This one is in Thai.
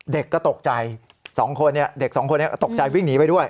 เด็กก็ตกใจสองคนเนี่ยเด็กสองคนเนี่ยตกใจวิ่งหนีไปด้วย